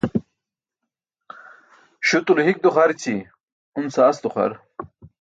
Śutulo hik duxarći, un saas duxar.